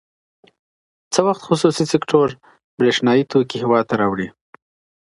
څه وخت خصوصي سکتور بریښنايي توکي هیواد ته راوړي؟